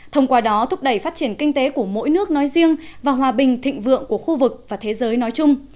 thông qua đó thúc đẩy phát triển kinh tế của mỗi nước nói riêng và hòa bình thịnh vượng của khu vực và thế giới nói chung